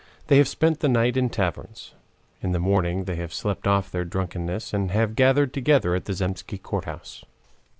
They have spent the night in taverns. In the morning they have slept off their drunkenness and have gathered together at the Zemsky Court house.